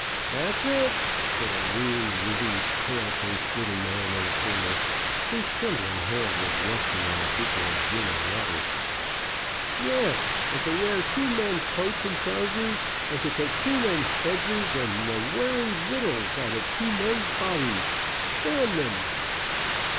"That's it," said a lean, wizened, pale faced little man in a corner, whose trembling hand was resting on a beaker of gin and water. "Yes, and to wear two men's coats and trousers, and to take two men's bedses and the wery witals out of two men's bodies. D them!"